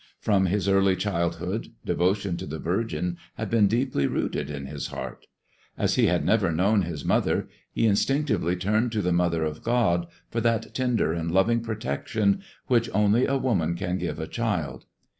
From his early childhood devotion to the Virgin had been deeply rooted in his heart. As he had never known his mother, he instinctively turned to the mother of God for that tender and loving protection which only a woman can give a child.